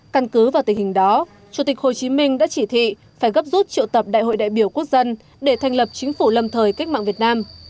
căn cứ vào tình hình đó chủ tịch hồ chí minh đã chỉ thị phải gấp rút triệu tập đại hội đại biểu quốc dân để thành lập chính phủ lâm thời cách mạng việt nam